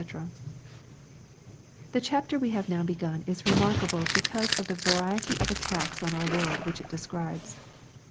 ] The chapter we have now begun is remarkable because of the variety of attacks on our Lord which it describes.